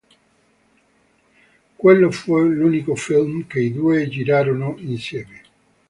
Quello fu l'unico film che i due girarono insieme.